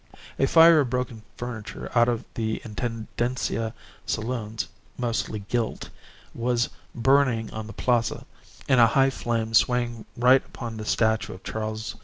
A fire of broken furniture out of the Intendencia saloons, mostly gilt, was burning on the Plaza, in a high flame swaying right upon the statue of Charles IV.